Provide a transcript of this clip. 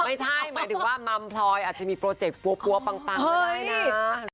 ไม่ใช่หมายถึงว่ามัมพลอยอาจจะมีโปรเจกต์ปั๊วปังก็ได้นะ